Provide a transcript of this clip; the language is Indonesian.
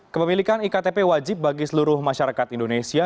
kepemilikan iktp wajib bagi seluruh masyarakat indonesia